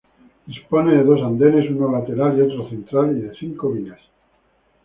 Dispone de dos andenes uno lateral y otro central y de cinco vías.